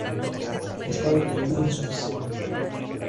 Esta victoria fue insuficiente.